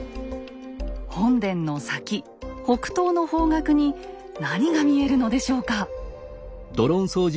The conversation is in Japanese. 本殿の先北東の方角に何が見えるのでしょうか？